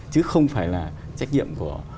chứ không phải là trách nhiệm của